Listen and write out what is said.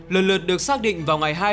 lần lượt được xác định vào ngày